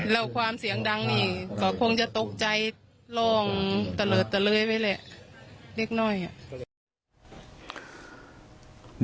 แล้วความเสียงดังนี่ก็คงจะตกใจร้องตะเลิดตะเลยไปแหละเล็กน้อยอ่ะ